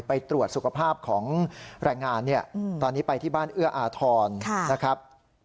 ไปตรวจสุขภาพของแรงงานเนี่ยตอนนี้ไปที่บ้านเอื้ออาทรนะครับ